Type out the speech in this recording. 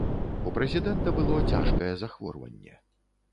У прэзідэнта было цяжкае захворванне.